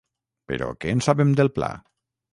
Però què en sabem del pla?